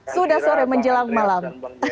sudah sore menjelang malam